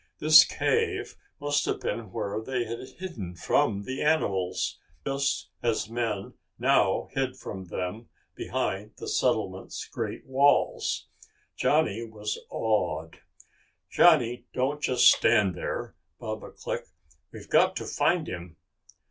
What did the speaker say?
This cave must have been where they had hidden from the animals, just as men now hid from them behind the settlement's great walls. Johnny was awed. "Johnny, don't just stand here," Baba clicked. "We've got to find him!"